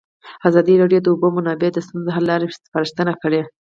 ازادي راډیو د د اوبو منابع د ستونزو حل لارې سپارښتنې کړي.